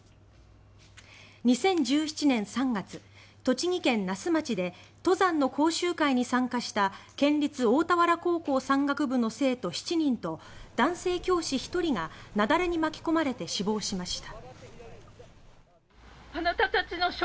２０１７年３月栃木県那須町で登山の講習会に参加した県立大田原高校山岳部の生徒７人と男性教師１人が雪崩に巻き込まれて死亡しました。